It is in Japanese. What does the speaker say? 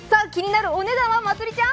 気になるお値段は？